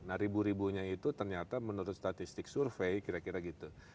nah ribu ribunya itu ternyata menurut statistik survei kira kira gitu